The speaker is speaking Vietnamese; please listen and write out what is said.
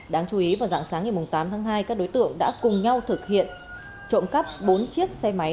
đáng chú ý vào dạng sáng ngày tám tháng hai các đối tượng đã cùng nhau thực hiện trộm cắp bốn chiếc xe máy